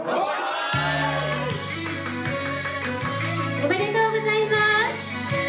おめでとうございます。